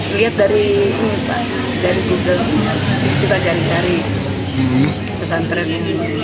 lihat dari google kita cari cari pesantren ini